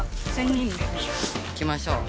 行きましょう。